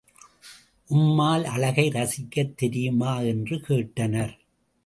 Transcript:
உம்மால் அழகை ரசிக்கத் தெரியுமா? என்று கேட்டனர்.